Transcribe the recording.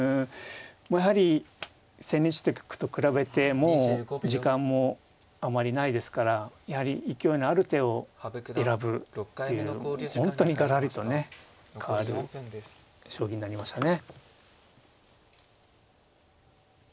やはり千日手局と比べてもう時間もあまりないですからやはり勢いのある手を選ぶっていう本当にがらりとね変わる将棋になりましたね。